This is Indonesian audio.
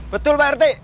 betul pak rt